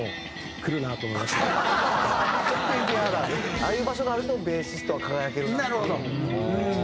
ああいう場所があるとベーシストは輝けるなって。